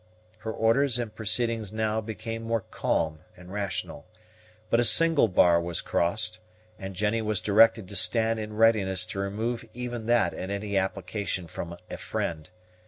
Her orders and proceedings now became more calm and rational. But a single bar was crossed, and Jennie was directed to stand in readiness to remove even that at any application from a friend.